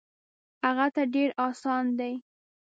هغه ته ډېر اسان دی.